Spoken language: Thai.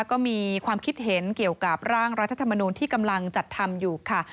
ก็มีความคิดเห็นเกี่ยวกับร่างรัฐธรรมนูลที่กำลังจัดทำอยู่ค่ะ